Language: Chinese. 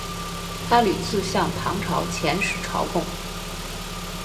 他屡次向唐朝遣使朝贡。